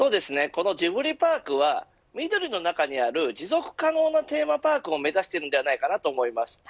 このジブリパークは緑の中にある持続可能なテーマパークを目指しているのではないかと思います。